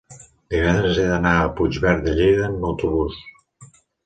divendres he d'anar a Puigverd de Lleida amb autobús.